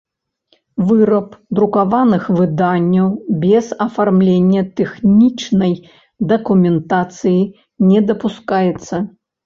Выраб друкаваных выданняў без афармлення тэхнiчнай дакументацыi не дапускаецца.